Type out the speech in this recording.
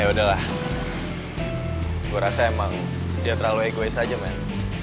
ya udahlah gue rasa emang dia terlalu egois aja main